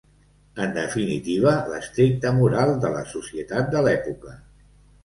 En definitiva, l'estricta moral de la societat de l'època.